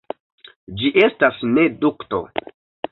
Ĝi estas ne dukto.